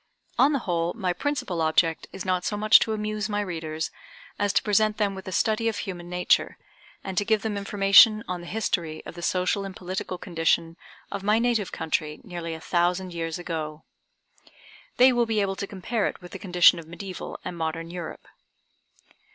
On the whole my principal object is not so much to amuse my readers as to present them with a study of human nature, and to give them information on the history of the social and political condition of my native country nearly a thousand years ago. They will be able to compare it with the condition of mediæval and modern Europe.